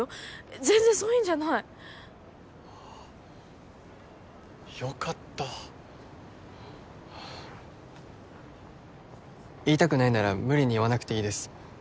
全然そういうんじゃないよかった言いたくないなら無理に言わなくていいです